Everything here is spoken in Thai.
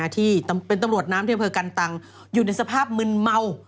ที่เป็นตำรวจน้ำที่อำเภอกันตังอยู่ในสภาพมึนเมา